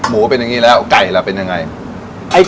หมูเป็นอย่างนี้แล้วไก่ล่ะเป็นยังไง